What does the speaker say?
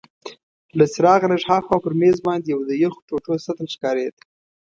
له څراغه لږ هاخوا پر مېز باندي یو د یخو ټوټو سطل ښکارید.